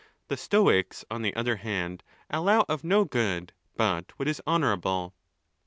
The Stoics, on the other hand, allow of no good but what is honourable.